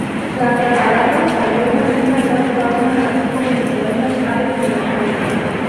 Las cataratas albergan una gran fauna, así como numerosas aves migratorias.